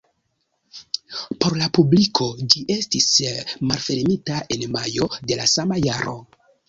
Por la publiko ĝi estis malfermita en majo de la sama jaro.